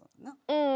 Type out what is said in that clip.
うん。